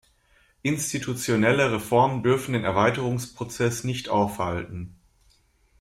Institutionelle Reformen dürfen den Erweiterungsprozess nicht aufhalten.